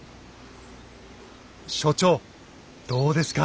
所長どうですか？